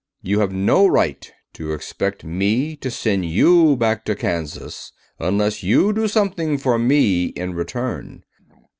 You have no right to expect me to send you back to Kansas unless you do something for me in return.